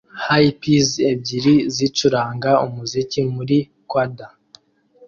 Hippies ebyiri zicuranga umuziki muri quad